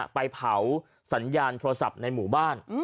ไปเผาสัญญาณโทรศัพท์ในหมู่บ้าน